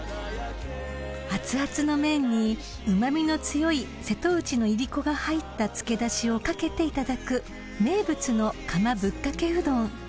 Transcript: ［あつあつの麺にうま味の強い瀬戸内のいりこが入ったつけだしを掛けていただく名物の釜ぶっかけうどん］